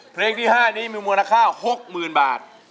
เพลงที่๕นี้มีมูลค่า๖๐๐๐บาท